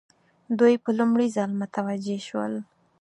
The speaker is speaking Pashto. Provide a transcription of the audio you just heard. دوی په لومړي ځل متوجه شول.